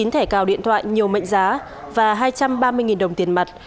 chín mươi chín thẻ cào điện thoại nhiều mệnh giá và hai trăm ba mươi đồng tiền mặt